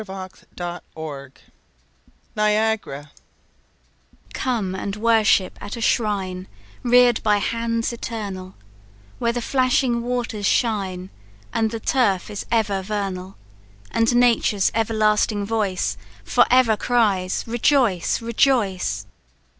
CHAPTER XVII Niagara "Come and worship at a shrine, Rear'd by hands eternal, Where the flashing waters shine, And the turf is ever vernal, And nature's everlasting voice For ever cries rejoice, rejoice!"